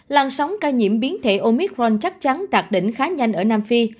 làn sóng ca nhiễm biến thể omicron chắc chắn đạt đỉnh khá nhanh ở nam phi